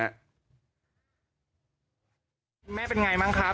ไอ้คนแม่เป็นไรมั้งครับ